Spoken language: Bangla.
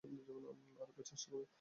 আরেকবার চেষ্টা করবো?